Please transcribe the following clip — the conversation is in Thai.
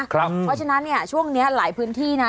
เพราะฉะนั้นเนี่ยช่วงนี้หลายพื้นที่นะ